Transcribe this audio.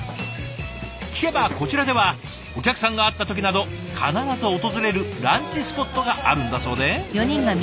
聞けばこちらではお客さんがあった時など必ず訪れるランチスポットがあるんだそうで。